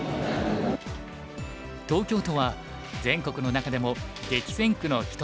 東京都は全国の中でも激戦区の一つです。